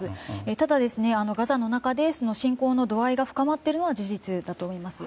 ただ、ガザの中で侵攻の度合いが深まっているのは事実だと思います。